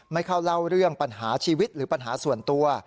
ไม่เข้าเล่าเรื่องปัญหาชีวิตหรือปัญหาส่วนตัว